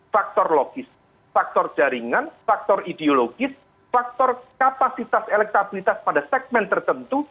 faktor logis faktor jaringan faktor ideologis faktor kapasitas elektabilitas pada segmen tertentu